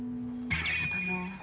あの。